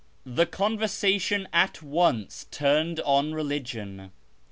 The conversation atj once turned on religion.